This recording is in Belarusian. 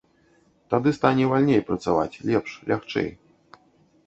Тады стане вальней працаваць, лепш, лягчэй.